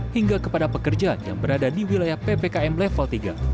hingga kepada pekerja yang berada di wilayah ppkm level tiga